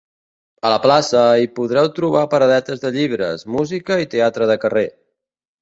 A la plaça, hi podreu trobar paradetes de llibres, música i teatre de carrer.